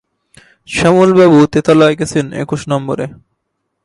শ্যামলবাবু তেতলায় গেছেন একুশ লম্বরে।